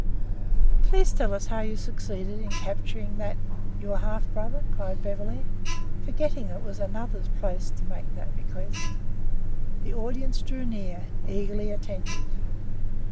"Please tell us how you succeeded in capturing that your half brother," cried Beverly, forgetting that it was another's place to make the request. The audience drew near, eagerly attentive.